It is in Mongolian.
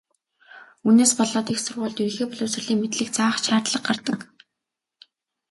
Үүнээс болоод их сургуульд ерөнхий боловсролын мэдлэг заах ч шаардлага гардаг.